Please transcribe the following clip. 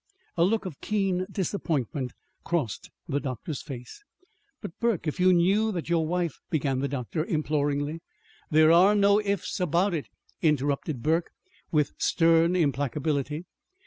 A look of keen disappointment crossed the doctor's face. "But, Burke, if you knew that your wife " began the doctor imploringly. "There are no 'ifs' about it," interrupted Burke, with stern implacability.